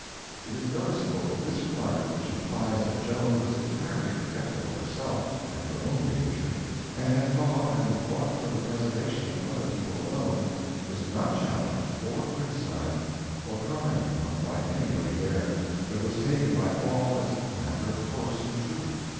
It is noticeable that this remark, which implies that Joan was entirely forgetful of herself and her own danger, and had thought and wrought for the preservation of other people alone, was not challenged, or criticized, or commented upon by anybody there, but was taken by all as matter of course and true.